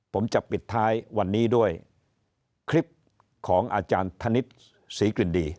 ผมจะปิดท้ายวันนี้ด้วยคลิปของอาจารย์ธนิษฐ์ศรีกลิ่นดี